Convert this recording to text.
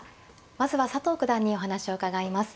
まずは佐藤九段にお話を伺います。